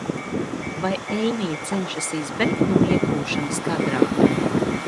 Vai Eimija cenšas izbēgt no iekļūšanas kadrā?